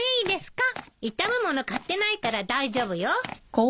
傷むもの買ってないから大丈夫よ。